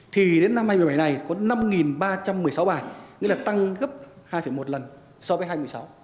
thì đến năm hai nghìn một mươi bảy này có năm ba trăm một mươi sáu bài nghĩa là tăng gấp hai một lần so với hai nghìn một mươi sáu